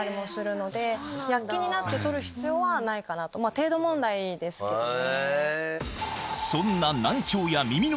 程度問題ですけどね。